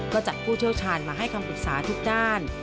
ก็จัดผู้เชี่ยวชาญมาให้คำปรึกษาทุกด้าน